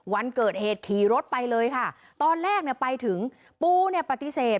วันเกิดเหตุขี่รถไปเลยค่ะตอนแรกเนี่ยไปถึงปูเนี่ยปฏิเสธ